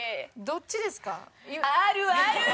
どっちですか？